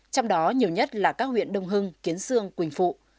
trong đó nhiều nhất là các huyện đông hưng kiến sương quỳnh phụ